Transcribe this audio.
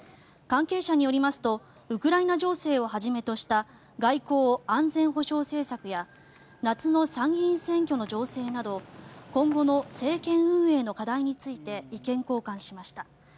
関係者によりますとウクライナ情勢をはじめとした外交・安全保障政策や夏の参議院選挙の情勢など今後の政権運営の課題について意見交換しました。